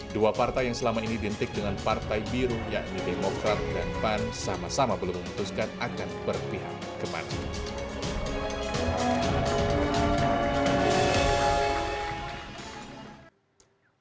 dua partai yang selama ini identik dengan partai biru yakni demokrat dan pan sama sama belum memutuskan akan berpihak kemana